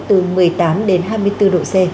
từ một mươi tám đến hai mươi độ c